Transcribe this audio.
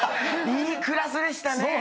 いいクラスでしたね。